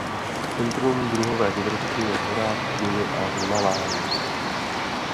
Centrum druhové diverzity je v horách Číny a v Himálaji.